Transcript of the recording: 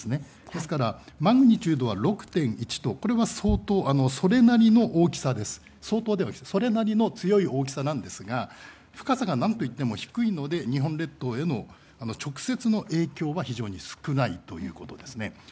ですから、マグニチュードは６．１と、これはそれなりの強い大きさですが深さが何といっても低いので日本列島への直接の影響は非常に少ないということです。